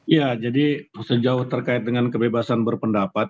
ya jadi sejauh terkait dengan kebebasan berpendapat